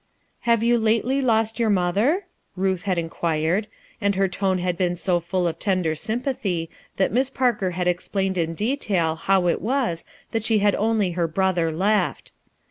"Have you lately lost your mother?" Ruth had inquired, and her tone had been so full of tender sympathy that Miss Parker had ex plained in detail how it was that she had only her brother left.